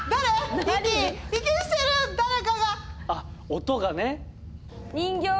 あっ音がね。